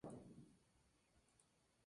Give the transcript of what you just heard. Se encuentran en Indonesia y Nueva Caledonia.